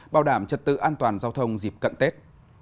bảo đảm trật tự an toàn giao thông dịp cận tết